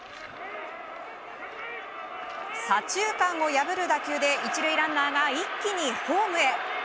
左中間を破る打球で１塁ランナーが一気にホームへ。